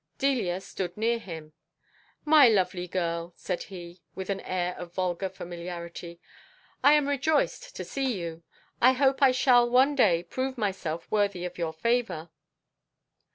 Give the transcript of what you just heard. Delia stood near him. "My lovely girl," said he, with an air of vulgar familiarity, "I am rejoiced to see you. I hope I shall one day prove myself worthy of your favour."